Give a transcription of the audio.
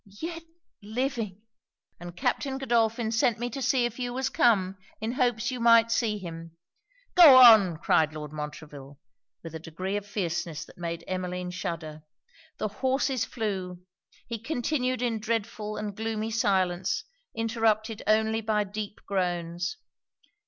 'Yet living!' 'And Captain Godolphin sent me to see if you was come, in hopes that you might see him.' 'Go on!' cried Lord Montreville, with a degree of fierceness that made Emmeline shudder. The horses flew. He continued in dreadful and gloomy silence, interrupted only by deep groans.